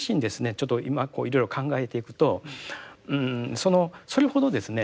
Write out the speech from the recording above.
ちょっと今こういろいろ考えていくとそのそれほどですね